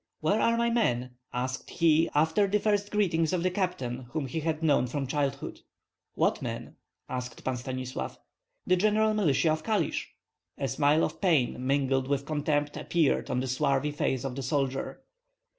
"Where are my men?" asked he, after the first greetings of the captain, whom he had known from childhood. "What men?" asked Pan Stanislav. "The general militia of Kalisk." A smile of pain mingled with contempt appeared on the swarthy face of the soldier.